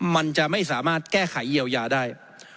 มันจะไม่สามารถแก้ไขเยียวยาได้